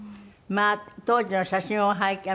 まあ当時の写真を拝見